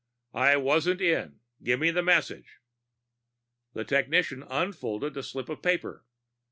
"I wasn't in. Give me the message." The technician unfolded a slip of paper.